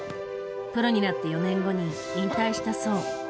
プロになって４年後に引退したそう。